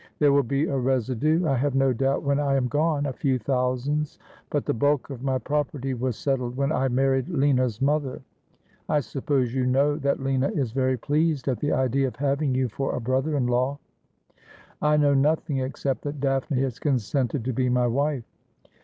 There will be a residue, I have no doubt, when I am gone — a few thousands ; but the bulk of my property was settled when I married Lina's mother. I suppose you know that Lina is very pleased at the idea of having you for a bro ther in law ?'' I know nothing, except that Daphne has consented to be my wife.'